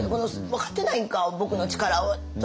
「分かってないんか僕の力を！」と。